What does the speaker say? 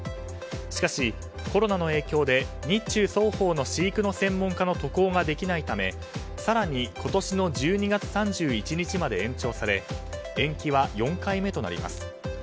しかし、コロナの影響で日中双方の飼育の専門家が渡航できないため更に今年の１２月３１日まで延期され延期は４回目となります。